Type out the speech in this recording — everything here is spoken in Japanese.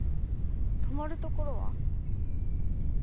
泊まるところは？